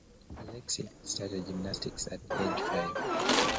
Alexei started gymnastics at age five.